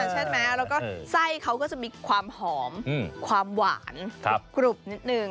ใช่ไหมแล้วก็ไส้เขาก็จะมีความหอมความหวานกรุบนิดนึง